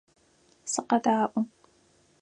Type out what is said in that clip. Сыкъэдаӏо!